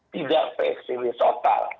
tidak psbb total